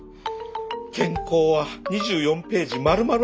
原稿は２４ページまるまる白紙。